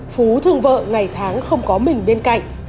phú thương vợ ngày tháng không có mình bên cạnh